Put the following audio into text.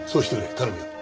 頼むよ。